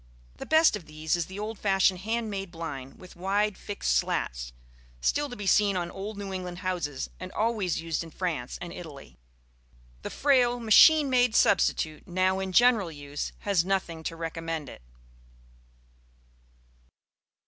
The best of these is the old fashioned hand made blind, with wide fixed slats, still to be seen on old New England houses and always used in France and Italy: the frail machine made substitute now in general use has nothing to recommend it.